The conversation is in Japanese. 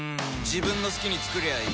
自分の好きに作りゃいい